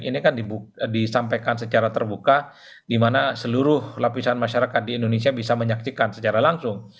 ini kan disampaikan secara terbuka di mana seluruh lapisan masyarakat di indonesia bisa menyaksikan secara langsung